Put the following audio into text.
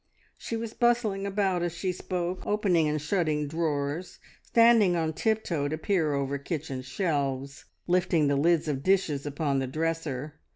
She was bustling about as she spoke, opening and shutting drawers, standing on tip toe to peer over kitchen shelves, lifting the lids of dishes upon the dresser.